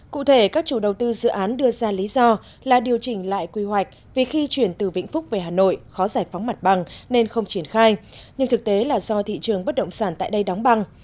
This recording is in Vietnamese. cụ thể các chủ đầu tư dự án đưa ra lý do là điều chỉnh lại quy hoạch vì khi chuyển từ vĩnh phúc về hà nội khó giải phóng mặt bằng nên không triển khai nhưng thực tế là do thị trường bất động sản tại đây đóng băng